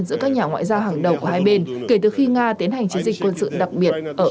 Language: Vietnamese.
giữa các nhà ngoại giao hàng đầu của hai bên kể từ khi nga tiến hành chiến dịch quân sự đặc biệt ở